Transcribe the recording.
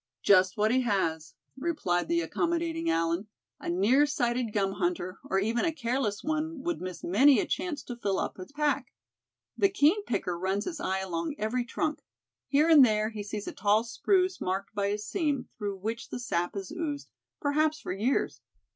"Just what he has," replied the accommodating Allan. "A near sighted gum hunter, or even a careless one, would miss many a chance to fill up his pack. The keen picker runs his eye along every trunk. Here and there he sees a tall spruce marked by a seam, through which the sap has oozed, perhaps for years.